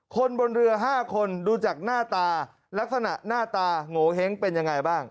คนบนเรือ๕คนดูจากหน้าตาลักษณะหน้าตาโงเห้งเป็นยังไงบ้าง